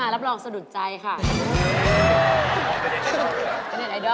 ไอศ์ติมทอด